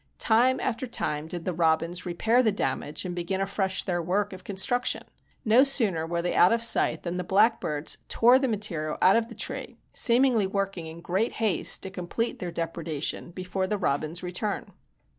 Time after time did the robins repair the damage and begin afresh their work of construction. No sooner were they out of sight than the black birds tore the material out of the tree, seemingly working in great haste to complete their depredation before the robins' return.